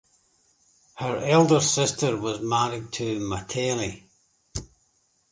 Her elder sister was married to Matale.